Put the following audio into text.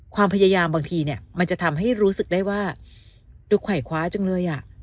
ความพยายามบางทีเนี่ยมันจะทำให้รู้สึกได้ว่าดูไขว่คว้าจังเลยอ่ะ